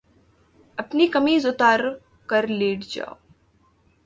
أپنی قمیض اُتار کر لیٹ جاؤ